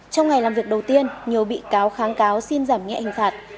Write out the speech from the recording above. trong ngày làm việc đầu tiên nhiều bị cáo kháng cáo xin giảm nhẹ hình phạt